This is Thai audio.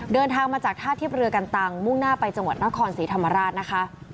เดินทางมาจากท่าเทียบเรือกันตังมุ่งหน้าไปจังหวัดนครศรีธรรมราชนะคะ